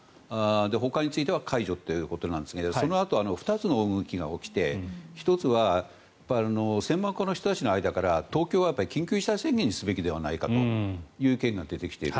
ほかについては解除ということなんですがそのあと、２つの動きが起きて１つは専門家の人たちの間から東京は緊急事態宣言にすべきではないかという意見が出てきている。